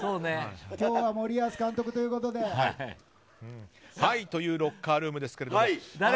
今日は森保監督ということで。というロッカールームですけども。